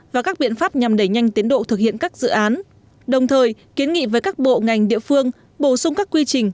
và các biện pháp nhằm đẩy nhanh tiến độ thực hiện các dự án đồng thời kiến nghị với các bộ ngành địa phương bổ sung các quy trình